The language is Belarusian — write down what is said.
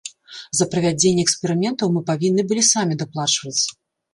За правядзенне эксперыментаў мы павінны былі самі даплачваць.